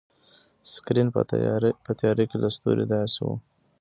سکرین په تیاره کې لکه ستوری داسې و.